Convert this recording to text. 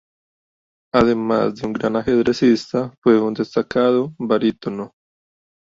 Además de un gran ajedrecista, fue un destacado barítono.